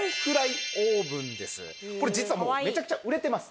これ実はめちゃくちゃ売れてます。